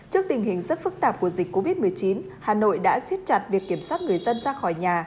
trước tình hình rất phức tạp của dịch covid một mươi chín hà nội đã xiết chặt việc kiểm soát người dân ra khỏi nhà